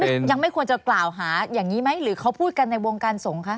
ยังไม่ควรจะกล่าวหาอย่างนี้ไหมหรือเขาพูดกันในวงการสงฆ์คะ